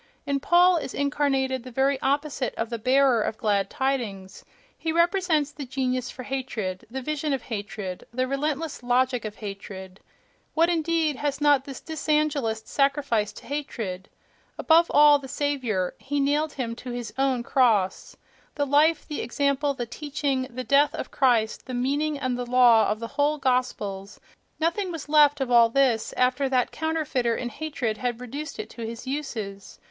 In Paul is incarnated the very opposite of the "bearer of glad tidings"; he represents the genius for hatred, the vision of hatred, the relentless logic of hatred. What, indeed, has not this dysangelist sacrificed to hatred! Above all, the Saviour: he nailed him to his own cross. The life, the example, the teaching, the death of Christ, the meaning and the law of the whole gospels—nothing was left of all this after that counterfeiter in hatred had reduced it to his uses.